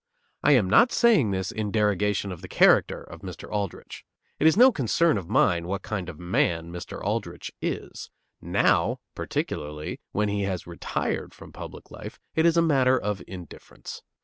I am not saying this in derogation of the character of Mr. Aldrich. It is no concern of mine what kind of man Mr. Aldrich is; now, particularly, when he has retired from public life, is it a matter of indifference.